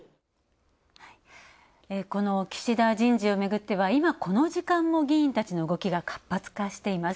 この岸田人事をめぐっては今、この時間も議員たちの動きが活発化しています。